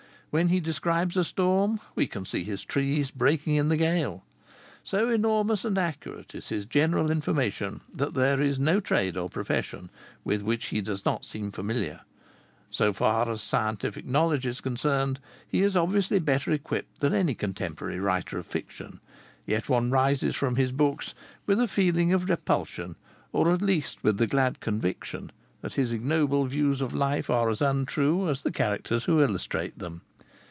When he describes a storm, we can see his trees breaking in the gale. So enormous and accurate is his general information that there is no trade or profession with which he does not seem familiar. So far as scientific knowledge is concerned, he is obviously better equipped than any contemporary writer of fiction. Yet one rises from his books with a feeling of repulsion, or at least with the glad conviction that his ignoble views of life are as untrue as the characters who illustrate them.